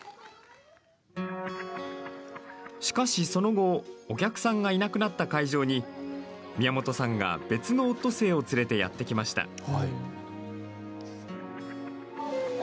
しかし、その後お客さんがいなくなった会場に宮本さんが別のオットセイを連れてやって来ました。